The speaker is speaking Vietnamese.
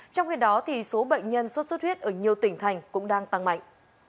trong khi đó số bệnh nhân sốt xuất huyết ở nhiều tỉnh thành cũng đang tăng mạnh